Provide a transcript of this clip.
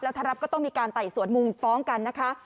ถ้ารับก็ต้องมีการไต่สวนมุมฟ้องกันนะคะ